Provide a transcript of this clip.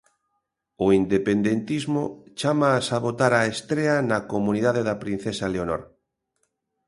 O independentismo chama a sabotar a estrea na comunidade da princesa Leonor.